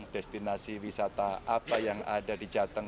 destinasi wisata apa yang ada di jateng